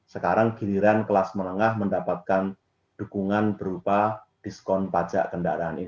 sekarang giliran kelas menengah mendapatkan dukungan berupa diskon pajak kendaraan ini